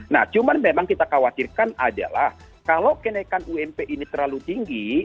nah cuman memang kita khawatirkan adalah kalau kenaikan ump ini terlalu tinggi